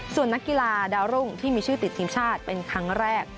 ส่วนนักกีฬาดาวรุ่งที่มีชื่อติดทีมชาติเป็นครั้งแรก